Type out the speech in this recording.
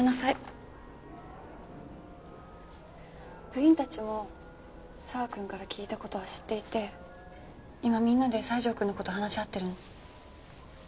部員たちも澤くんから聞いた事は知っていて今みんなで西条くんの事を話し合ってるの。